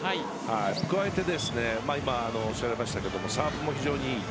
加えて、今おっしゃられましたがサーブも非常にいい。